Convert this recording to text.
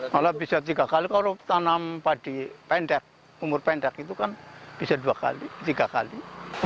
malah bisa tiga kali kalau tanam padi pendek umur pendek itu kan bisa dua kali tiga kali